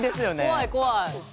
怖い怖い。